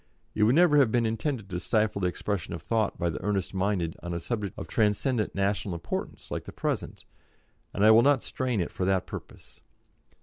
It could never have been intended to stifle the expression of thought by the earnest minded on a subject of transcendent national importance like the present, and I will not strain it for that purpose.